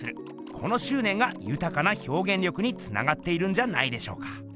このしゅうねんがゆたかなひょうげん力につながっているんじゃないでしょうか。